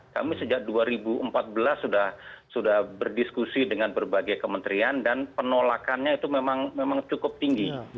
kami sejak dua ribu empat belas sudah berdiskusi dengan berbagai kementerian dan penolakannya itu memang cukup tinggi